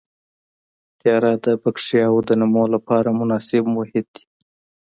تیاره د بکټریاوو د نمو لپاره مناسب محیط دی.